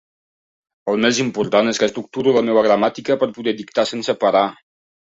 El més important és que estructuro la meva gramàtica per poder dictar sense parar.